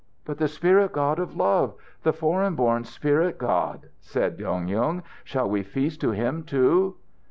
"But the spirit God of love, the foreign born spirit God?" said Dong Yung. "Shall we feast to him too?"